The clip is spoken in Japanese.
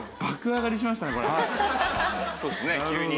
そうですね急に。